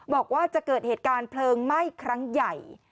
บอกว่าจะเกิดเหตุการณ์เพลิงไหม้ครั้งใหญ่